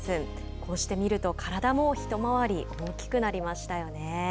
こうしてみると体も一回り大きくなりましたよね。